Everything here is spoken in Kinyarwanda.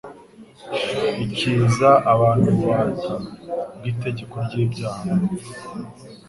ikiza abantu ububata bw'«itegeko ry'ibyaha n'uruipfu»